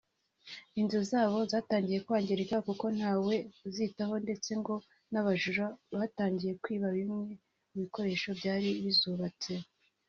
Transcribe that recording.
inzu zabo zatangiye kwangirika kuko ntawe uzitaho ndetse ngo n’abajura batangiye kwiba bimwe mu bikoresho byari bizubatse